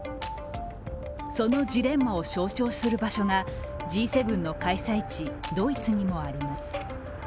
そのジレンマを象徴する場所がＧ７の開催地、ドイツにもあります。